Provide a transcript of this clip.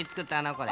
これ。